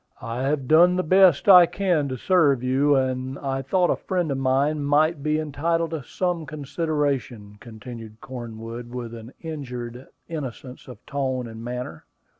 "I have done the best I can to serve you, and I thought a friend of mine might be entitled to some consideration," continued Cornwood, with an injured innocence of tone and manner.